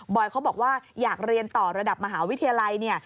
เขาบอกว่าอยากเรียนต่อระดับมหาวิทยาลัยเนี่ย